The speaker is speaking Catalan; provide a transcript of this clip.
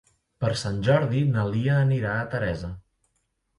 Per Sant Jordi na Lia anirà a Teresa.